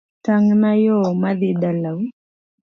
Tang na yoo madhii dalau